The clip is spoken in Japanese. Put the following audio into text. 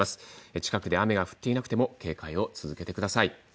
近くで雨が降っていなくても警戒を続けてください。